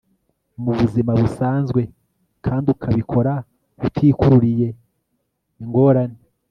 mu buzima busanzwe kandi ukabikora utikururiye ingorane